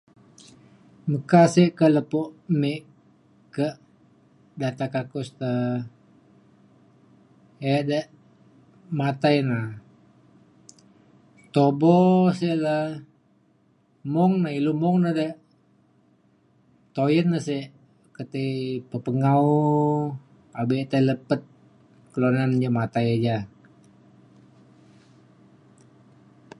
meka sik ka lepo me ke Data Kakus da e de matai na. tubo sik le mung na ilu mung na re toyen na se ketei pepengau abek tai le pet kelunan ja matai ja